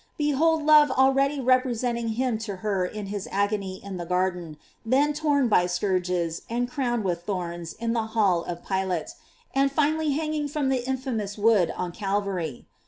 Behold love already representing him to her in his agony in the garden, then torn by scourges, and crowned with thorns in the hall of Pilate, and finally hanging from the infamous wood on Calvary!